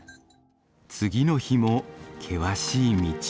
次の日も険しい道。